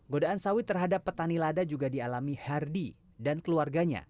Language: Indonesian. godaan sawit terhadap petani lada juga dialami hardy dan keluarganya